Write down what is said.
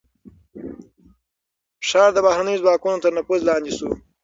ښار د بهرنيو ځواکونو تر نفوذ لاندې شو.